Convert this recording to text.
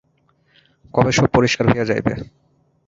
কবে সব পরিষ্কার হইয়া যাইবে?